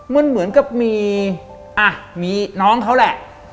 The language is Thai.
มันเหมือนกับมีน้องเขาแหละ